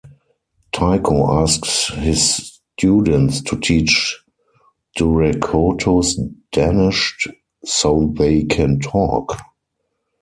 Tycho asks his students to teach Duracotus Danish so they can talk.